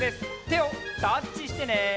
てをタッチしてね！